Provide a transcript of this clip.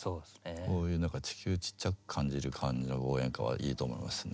こういう何か地球ちっちゃく感じる感じの応援歌はいいと思いますね